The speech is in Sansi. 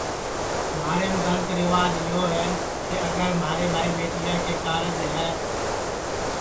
مہاریم گلت ریواج یو ہے کہ اگر مہارے ٻائی ٻیٹیا کے کارج ہے